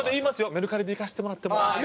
「メルカリでいかせてもらっても」って。